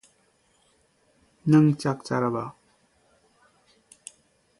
The rest of the system can either be digital or analog.